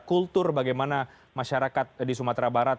kultur bagaimana masyarakat di sumatera barat